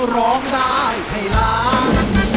ร้องได้ให้ล้าน